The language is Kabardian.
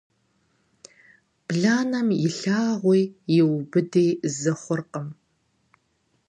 Бланэм и лъагъуи и убыди зы хъуркъым.